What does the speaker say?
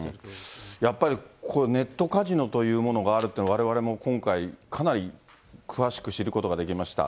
やっぱりこれ、ネットカジノというものがあるというのはわれわれも今回、かなり詳しく知ることができました。